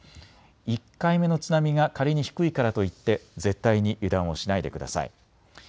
１回目の津波が仮に低いからといって絶対に油断をしないでください。